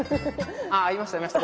あいましたいました。